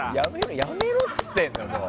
やめろっつってんの。